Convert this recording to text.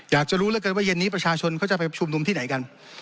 อยากจะรู้เหลือเกินว่าเย็นนี้ประชาชนเขาจะไปชุมนุมที่ไหนกัน